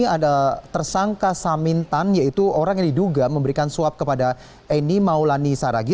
ada tersangka samintan yaitu orang yang diduga memberikan suap kepada eni maulani saragi